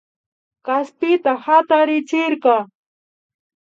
Kaspita hatarichirka